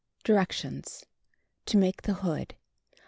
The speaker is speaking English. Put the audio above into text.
Directions: To Make the Hood.